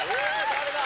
誰だ？